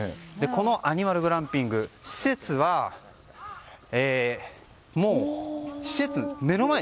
このアニマルグランピング施設は、もう目の前。